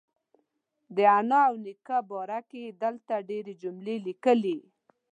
د انا او نیکه باره کې یې دلته ډېرې جملې لیکلي.